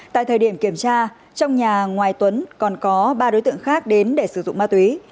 tại thời điểm kiểm tra trong nhà ngoài tuấn còn có ba đối tượng khác đến để sử dụng ma túy